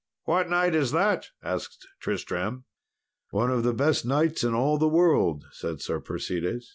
"What knight is that?" asked Tristram. "One of the best knights in all the world," said Sir Persides.